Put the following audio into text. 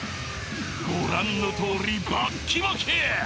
ご覧のとおりバッキバキ！